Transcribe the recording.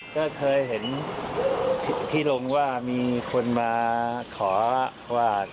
ก็เคยเห็นที่ลงว่ามีคนมาขอว่า